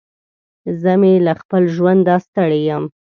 زه مې له خپل ژونده ستړی يم.